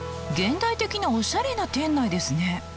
現代的なおしゃれな店内ですね。